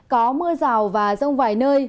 có mưa rào và rông vài nơi